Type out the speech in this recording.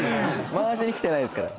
回しにきてないですから。